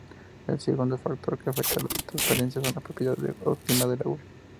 El segundo factor que afecta la transparencia son las propiedades ópticas del agua.